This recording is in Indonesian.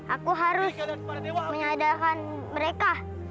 aku harus menyadarkan mereka